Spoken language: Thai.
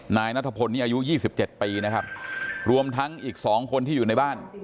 นายนัทพลนี้อายุ๒๗ปีนะครับรวมทั้งอีก๒คนที่อยู่ในบ้าน